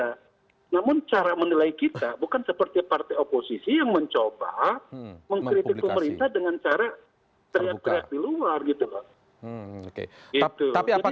namun cara menilai kita bukan seperti partai oposisi yang mencoba mengkritik pemerintah dengan cara teriak teriak di luar gitu loh